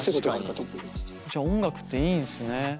じゃあ音楽っていいんすね。